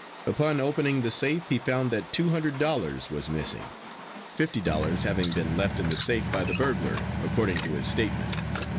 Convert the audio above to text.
Upon opening the safe he found that two hundred dollars was missing, fifty dollars having been left in the safe by the burglar, according to his statement.